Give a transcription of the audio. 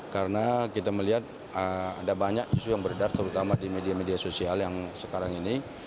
karena kita melihat ada banyak isu yang berdar terutama di media media sosial yang sekarang ini